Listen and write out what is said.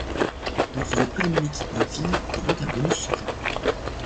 Retrouver tous les mini-kits d'un film débloque un bonus secret.